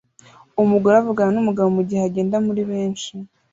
Umugore avugana numugabo mugihe agenda muri benshi